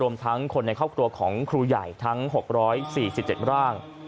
ทั้งคนในครอบครัวของครูใหญ่ทั้ง๖๔๗ร่าง